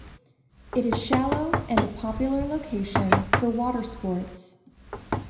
It is shallow and a popular location for water sports.